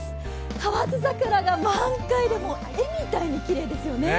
河津桜が満開で絵みたいにきれいですよね。